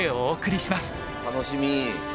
楽しみ。